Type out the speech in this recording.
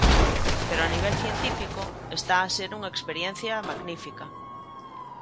Pero a nivel científico está a ser unha experiencia magnífica.